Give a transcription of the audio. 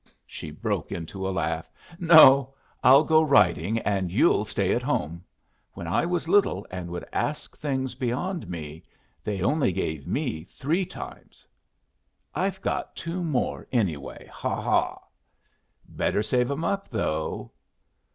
She broke into a laugh. "No. I'll go riding and you'll stay at home. When I was little and would ask things beyond me, they only gave me three times." "I've got two more, anyway. Ha ha!" "Better save 'em up, though."